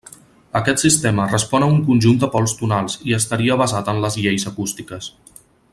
Aquest sistema respon a un conjunt de pols tonals i estaria basat en les lleis acústiques.